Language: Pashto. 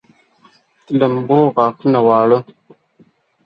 د لمبو غاښونه واړه